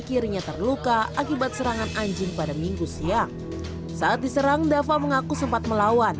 kirinya terluka akibat serangan anjing pada minggu siang saat diserang dava mengaku sempat melawan